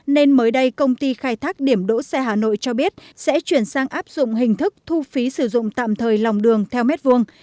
nên mới đây công ty khai thác điểm đỗ xe hà nội cho biết sẽ chuyển sang áp dụng hình thức thu phí sử dụng tạm thời lòng đường theo mét vuông